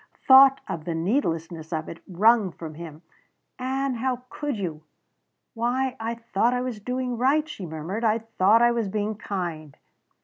Thought of the needlessness of it wrung from him: "Ann how could you!" "Why I thought I was doing right," she murmured. "I thought I was being kind."